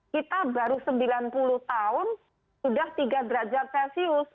kita baru sembilan puluh tahun sudah tiga derajat celcius